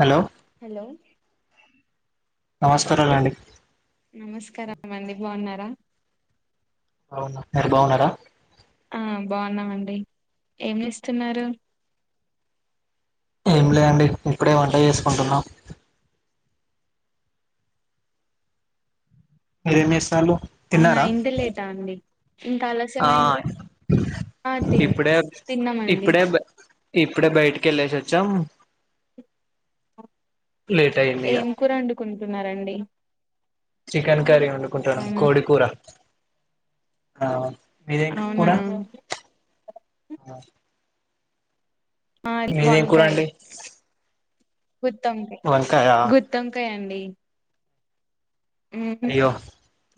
Hello hello నమస్కారాలండి నమస్కార అండి బాగున్నారా అవునా మీరు బాగున్నారా ఆ బాగున్నామండి ఏంని ఇస్తున్నారు ఏం లేదండి ఇప్పుడే వంట చేసుకుంటున్నాం అ రేమ చాలు అవునా ఇంద లేదా అండి ఇంకా ఆ ఆలస్యంయింది ఇప్పుడే ఇప్పుడే ఇప్పుడే బయటక వెళ సచ్చం ఏం కూర అండుకుంటున్నారంండి చికెన్ కర్రీ వండుకుంటున్నా అవునా కోడి కూూర ఆ మీర అవునా కూడా ఆలు కూర వంకాయ్ అండి గుత్తి వంకాయ గుత్తివంకాయండి మ్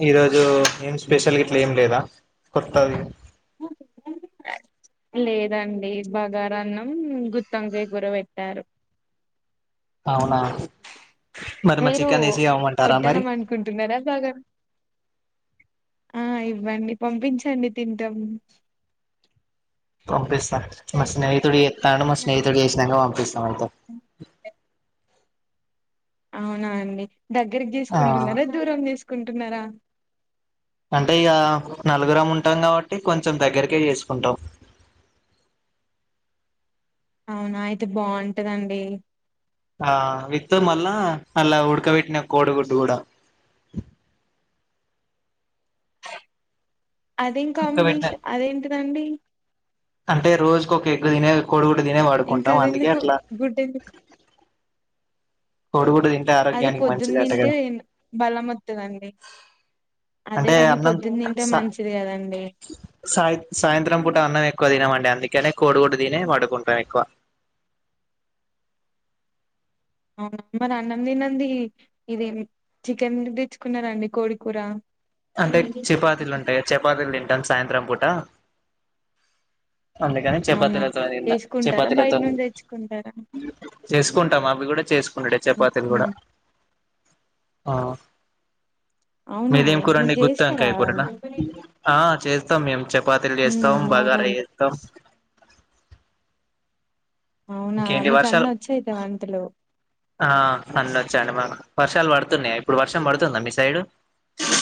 ఈ రోజు ఏం స్పెషల్ ఇట్లా ఏం లేదా కొత్తది లేదండి బగారన్నం గుత్తి వంకాయక కూర పెట్టారు అవునా మరి మా మీరు చికెన్ వేసి ఇవ్వమంటారా మరి ఒట్టనం అనుకుంటున్నారా బగార ఆ ఇవ్వండి పంపించండి తింటం పంపిస్తా మా స్నేహితుడు జేత్తాండు మా స్నేహితుడు జేసినాక పంపిస్తాం అయితే అవునా అండి దగ్గర ఆ దీసుకుంటున్నారా దూరం దీసుకుంటున్నారా అంటే ఇగ నలుగురం ఉంటాం కాబట్టి కొంచెం దగ్గరకే చేసుకుంటాం అవునా అయితే బావుంటదండి ఆ విత్తు మళ్ళా అల్లా ఉడకబెట్టిన కోడిగుడ్డు కూడా అదేం ఇంకా బెట్ట కాంబినేషన్ అదేంటిదండి అంటే రోజుకు ఒక ఎగ్ తినే కొడి గుడ్డు తినే ఇంకా పడుకుంటాం అందుకే అదెందుకు అట్లా గుడ్డు ఎందుకు కోడిగుడ్డు తింటే అది ఆరోగ్యానికి పొద్దున్న మంచిదట తింటే కదా బలమొత్తదండి అదే అంటే గాని అన్నం పొద్దున్న తింటే సా మంచిది కదండి సాయ సాయంత్రం పూట అన్నం ఎక్కువ తినమండి అందుక్ కనే కోడిగుడ్డు తినే పండుకుంటాం ఎక్కువ అవునా మరి అన్నం తినంది ఇదేం చికెన్ దెచ్చుకున్నారండి కోడి కూర అంటే చపాతీలు ఉంటాయా చపాతీలు తింటాం సాయంత్రం పూట అందుకని అవునా చపాతీలతో తిన్నా చేసుకుంటారా బయట చపాతీలతో నుండి తెచ్చుకుంటారా చేసుకుంటాం అవి కూడా చేసుకునుడే చపాతీలు కూడా మ్మ్. ఆ అవునా మీదేం కూరండి మీరు గుత్తివంకాయ కూరన చేస్తారా ఆ చేస్తాం మేము చపాతీలు చేస్తాం హ్మ్ బగారా అవునండి చేస్తాం ఆ అవునా ఇంకేంటి మీకు వర్షాలు అన్ని వచ్చయితే వంటలు ఆ అన్ని వచ్చండి మాకు వర్షాలు పడుతున్నాయా ఇప్పుడు వర్షం పడుతుందా మీ సైడు త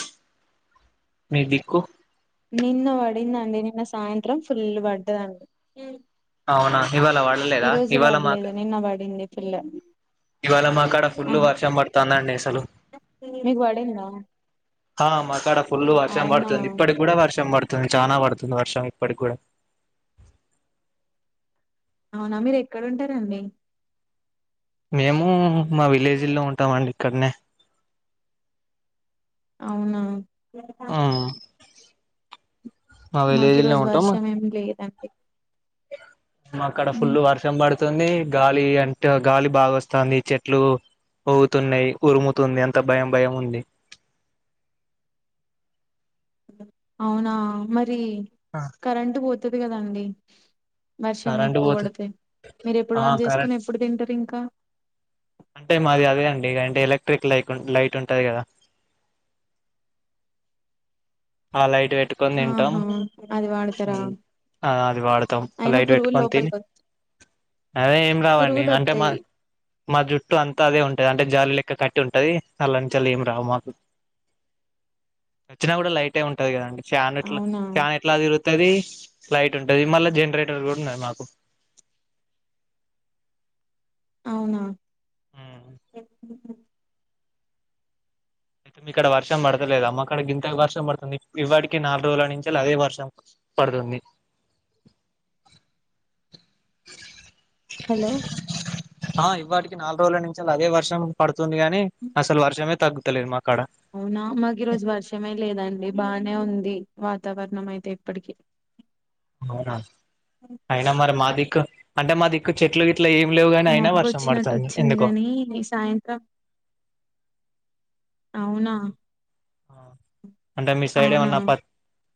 మీ మీకు నిన్న పడిందండి నిన్న సాయంత్రం ఫుల్ పడ్డదండి మ్ అవునా ఇవాళ పడలేదా ఇవాళ మాకు పిల్ల ఇవాళ మా అక్కడ ఫుల్ వర్షం పడతదండి అసలు మీకు పడిందా హా మాకాడ ఫుల్ వర్షం అవునా పడుతుంది ఇప్పటికి కూడా వర్షం పడు చానా పడుతుంది వర్షం ఇప్పటిక్ గూడా అవునా మీరు ఎక్కడుంటరండి మేము మా విలేజీల్లో ఉంటామండి ఇక్కడ్నే అవునా ఆ మా మాకు విలేజ్ ఈ రోజు వర్షం ఏమి లేదండి మా కాడ ఉమ్, ఫుల్ వర్షం పడుతుంది గాలి అంటే గాలి బాగా వస్ తాంది చెట్లు ఊగుతున్నాయి ఉరుముతుంది అంత భయం భయం ఉంది ఆ అవునా మరి కరెంట్ పోతది కదండి వర్షం కరెంట్ ఎక్కువ పోతే పడితే మీరు ఎప్పుడు ఆ ఆన్ చేసుకొని కరెంట్ ఎప్పుడు తింటారు ఇంకా అంటే మాది అదే అండి మీకంటే ఎలక్ట్రిక్ లైకు లైట్ ఉంటది కదా ఆ లైట్ పెట్టుకొని తింటాం ఆహా అది వాడతారా ఉమ్ ఆ అది వాడతాం ఆ అయినా లైట్ పురుగులు పెట్టుకొని తిని లోపలికి అదే ఏం రావండి పురుగులు అంటే మా వత్తాయి మా జుట్టు అంతా అదే ఉంటది అంటే జాలి లె క్క కట్టి ఉంటది అల్లనుంచెలేం రావు మాకు వచ్చినా కూడా లై ఎ ఉంటది కదండి ఫ్యాన్ ఇట్లా అవునా ఫ్యాన్ ఎట్లా తిరు తది లైట్ ఉంటది, మళ్ళా జనరేటర్ కూడా ఉన్నది మాకు ఆ అవునా అయితే మీకాడ వర్షం పడతలేదా మాకాడ గింత వర్షం పడుతుంది ఇవాటికి నాలుగు రోజుల నుంచెలి అదే వర్షం పడుతుంది హలో ఆ ఇవ్వాటికి నాలుగు రోజుల నుంచి అదే వర్షం పడుతుంది గానీ అసలు వర్షమే తగ్గుతలేదు మాకు అవునా మాకీరోజు వర్షమే లేదండి బానే ఉంది ది వాతావరణం అయితే ఇప్పటికి అవునా, అయినా మరి మా దిక్కు అంటే మా దిక్కు చెట్లు ఇట్లా ఏం లేవు గాని అయినా వర్షం మబ్బొచ్చినట్టు పడుతుంది వచ్చింది ఎందుకో గాని నీ సాయంత్రం అవునా అంటే మీ సైడ్ అవునా ఏమన్నా పత్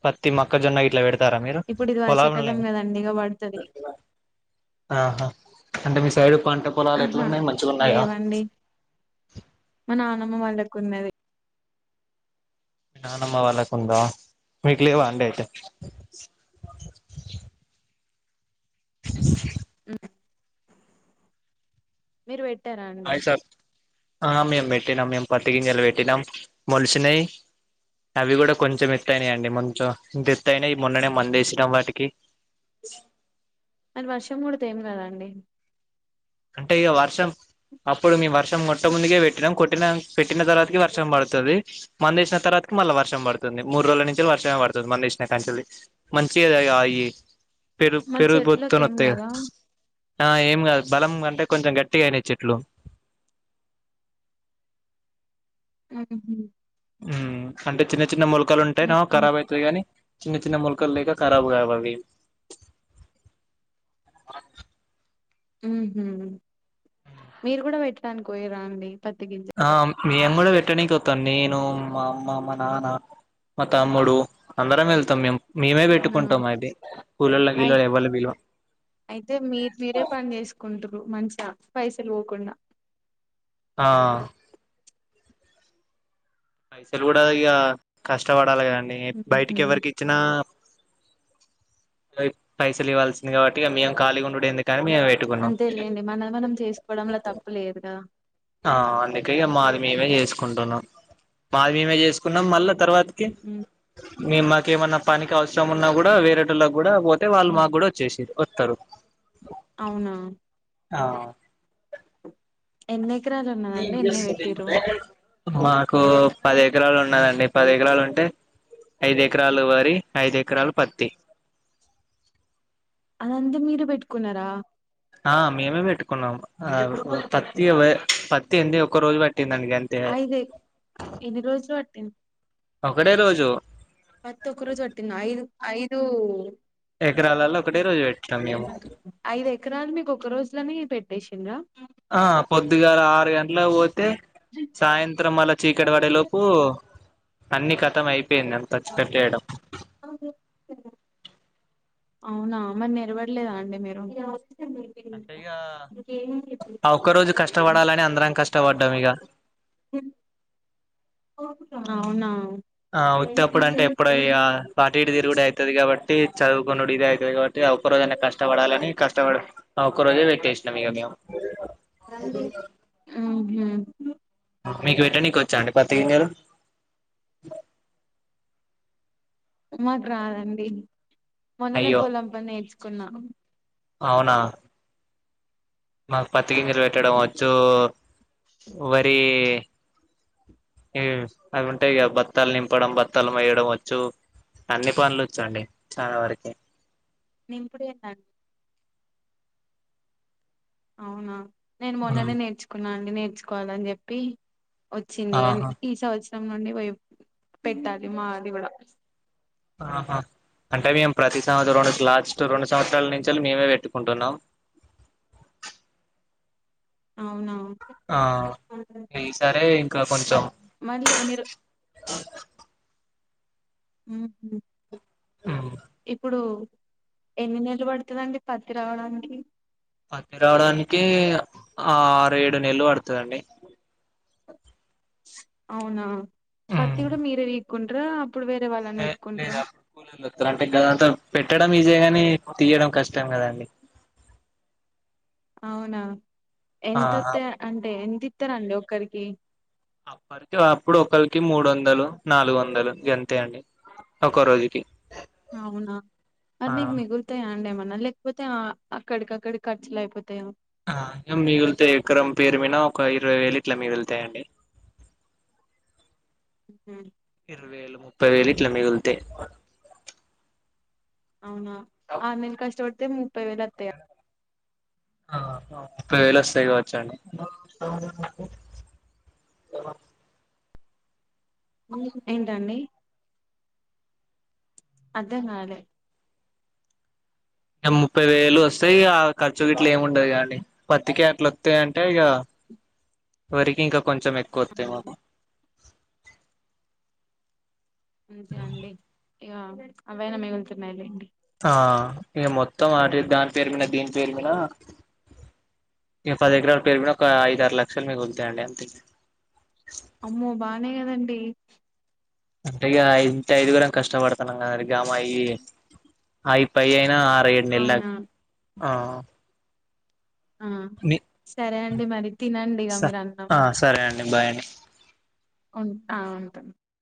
పత్తి మెుక్కజొన్న ఇట్లా పెడ తారా మీరు ఇప్పుడు ఇది పోలంల్నే వర్షాకాలం కదండి ఇక పడుతది ఆహా అంటే మీ సైడు పంట పొలాలు ఆహా ఎట్లున్నాయి మంచిగా ఉన్నాయా లేవండి అమ్మోలకున్నది నానమ్మ వాళ్ళకుందా మీకు లేవా అండి అయితే ఆ [unintelligible] మీరు పెట్టారా అండి హాయ్ సార్ ఆ మేము పెట్టినాం మేం పత్తి గింజలు పెట్టినాం మోలిసినయ్ అవి కూడా కొంచెం ఎత్తైనాయండి కొంచెం ఇంతెత్తయినాయ్ మొన్ననే మందేసినాం వాటికి అన్ వర్షం పడితే ఏం కదాండి అంటే ఇగ వర్షం అప్పుడు మీ వర్షం కొట్ట ముందుకే కొట్టిన పెట్టిన తర్వాతికి వర్షం పడుతది మందేసిన తర్వాతి మళ్ళా వర్షం పడుతుంది మూడు రోజుల నుంచి వర్షమే పడుతుంది మెున్నేసినా కాంచెలి, మంచి ఆ ఈ పెరుగు మరి చెట్లకి ఏం పెరుగుపోత్తోనోత్తయ్ గా కదా ఆ ఏం కాదు బలం అంటే కొంచెం గట్టిగా అయినయ్ చెట్లు ఊహూ ఉమ్ అంటే చిన్న చిన్న మెులకలు ఉంటేనో ఉహు కరాబ్ అవుతాయి గాని చిన్న చిన్న మెుల్కలు లేక ఖరాబ్ కావు అవి ఊహు మీరు కూడా పెట్టడానికి పోయిర్రా అండి పత్తి ఆ గింజలు మేము కూడా పెట్టనికి వోతా నేన్ ను మా అమ్మ, మా నాన్న, మా తమ్ముడు అందరం వెళ్తాం మేమ్ మేమే అవునా పెట్టుకుంటాం అది కూలోల్ల అయి గిలోల్లన్ ఎవ్వల్ని పిలువం అయితే మీర్ మీరే పని చేసుకుంటురు మంచిగా పైసలు పోకుండా ఆ పైసలు కూడా ఇగ కష్టపడాలి కదండి ఉహు. బయటికి ఎవ్వరికిచ్చినా పైసలు ఇవ్వాల్సింది కాబట్టి మేము ఖాళీగా ఉండుడేందు అంతే లేండి మనది మనం చేసుకోవడంలో తప్పు లేదుగద ఆ అందుకేగా మాది మేమే చేసుకుంటున్నాం, మాది మేమే చేసుకున్నాం మళ్ళా తర్వాతి కి ఉమ్, మాకేమన్నా పనికి అవసరం ఉన్నా కూడా వేరేటోళ్ళకి కూడా పోతే వాళ్ళు మాకు కూడా వచ్చేసిర్రు వత్తరు అవునా ఆ ఎన్ని. ఎకరాలు ఇ ఉన్నదండి వి స్ ఎన్ని సబ్జెక్టు ఇస్ పెట్టిరు ప్రాక్టికల్. మాకు పది ఎకరాలు ఉన్నదండి. పది ఎకరాలు ఉంటే ఐదు ఎకరాలు వరి, ఐదు ఎకరాలు పత్తి. అదంతా మీరె పెట్టుకున్నారా. ఆ మేమే పెట్టుకున్నాము. పత్తి, పత్తి ఎండి ఒక రోజు పట్టి పట్టిందండి గంతే. ఐదు ఎన్ని రోజులు పట్టింది ఒకటె రోజు. పత్తి ఒక్కరు వట్టిందా. ఐదు, ఐదు. ఎకరాలలో ఒకటే రోజు పెట్టినాం మ్ మేము అంటరు, ఐదు ఎకరాల్ మీకు ఒక రోజులనె పెట్. లెషింరా ఆ పొద్దుగాల ఆరు గంటల పోతే సాయంత్రం మళ్ళ చీకటివడే లోపు అన్ని కతం అయిపో. అయిపోయింది అంతా తెచ్చి కట్టేయడం. అవునా, మరి నిలవడలేదా అండి మీరు. అంటే ఇగా ఆ ఒక్క రోజు కష్టపడాలని అందరం కష్టపడ్డం ఇగ. ఓ అవునా. ఆ వుత్తప్పుడు అంటే ఎప్పుడొ ఊహూ ఇగ అటుఇటు తిరుగుడే అయితది కాబట్టి, చదువుకునుడు ఇదే అయితది కాబట్టి. ట్టి, ఆ ఒక్క రోజన్నా కష్టపడాలని కష్టవడ ఆ ఒక్క రోజే వెట్టి. ట్టేసినం ఇగ మేము. మీకు వెట్టనీకి వచ్చా అండి పత్తి గింజలు. మాకు రాదండి మొన్ననే అయ్యో పొలం పని నేర్చుకున్నా. అవునా. మాకు పత్తి గింజలు పెట్టడం వచ్చు. వరి ఉహ్ అవి ఉంటాయి కదా బత్తాలు నింపడం, బత్తాలు మోయడం వచ్చు. అన్ని పనులు ఒచ్చండి. చాలా వరకి. నింపుడు ఎన అవునా, నేను మొన్ననే నేర్చుకున్నా అండి నేర్చుకోవాలని చెప్పి. వచ్చింది కానీ, ఆహా ఈ సంవత్సరం నుండి వయు పెట్టాలి మాది కూడా. ఆహా అంటే మేము ప్రతి సంవత్సరం కి లాస్ట్ రెండు సంవత్సరాల నుంచి మేమే పెట్టుకుంటున్నాం. చ్ అవునా. ఆ ఈ సారే ఇంకా మ కొంచెం మళ్ళీ ఎన్ని రో మ్ ఉమ్, ఇప్పుడు. ఎన్ని నెలలు పడుతదండి, పత్తి రావడానికి. పత్తి రావడానికి ఆ ఆరు, ఏడు నెలలు పడుతదండి. అవునా, పత్తి కూడా మీరె వీక్కుంటరా. హే లేద కూలీలు వత్తరండి గ దంతా పెట్. పెట్టడం ఈజీ యే కాని, తీయడం కష్టం కదండి. అవునా, ఆ ఎంతొత్తయ్ అంటే ఎంత ఇత్తరు అండి, ఒకరికి. అప్పటికి అప్పుడు ఒక్కరికి మూడు వందలు, నాలుగు వందలు, గంతే అండి. ఒక రోజుకి. అవునా మరి ఆ మీకు మిగుల్తయా అండి, ఏం అన్న. లేకపోతే అక్కడికక్కడి ఖర్చులు అయిపోతయా. ఆ ఇగ మిగుళ్తే ఎకరం పేరు మీద ఒక ఇరవై వేలు ఇట్లా మిగులుతాయండి. హ మ్ ముప్పై వేలు ఇట్ల మిగులుతాయ్. అవునా ఆరునెల్లు కష్టపడితే ముప్పై వేలు అత్తయా. ముప్పై వేలు వస్తాయి కావచ్చు అండి ఏమో ఏంటండీ అర్ధం కాలే ఇగ ముప్పై వేలు వస్తాయి ఇగ ఖర్చు గిట్లా ఏముండదు కదండీ పత్తికే అట్లా వత్తయ్ అంటే ఇగ వరికి ఇంకా కొంచెం ఎక్కువ వస్తాయి ఆహా ఏమో అంతే అండి ఇగ అవ్వైనా మిగులుతున్నాయిలేండి ఆ ఇగ మొత్తం అ దాని పేరు మీద దీని పేరు మీద ఇ పది ఎకరాల పేరు మీద ఒక ఐదు ఆరు లక్షలు మీగులుతాయండి అంతే అమ్మో బానే కదండి అంటే ఇగ ఇంట్ల ఐదుగురం కష్టపడుతాన్నాము గా మాత్రం సంపాదించాలి ఆరు ఏడు నెలలు అండి అవునా ఆ సరే అండి మరి తినండి ఇక మీరు అన్నం ఆ సరే బాయ్ అండి ఆ ఉంటా